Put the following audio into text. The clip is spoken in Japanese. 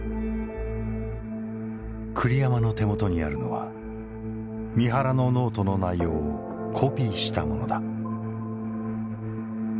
栗山の手元にあるのは三原のノートの内容をコピーしたものだ。